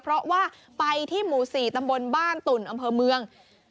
เพราะว่าไปที่หมู่๔ตำบลบ้านตุ่นอำเภอเมือง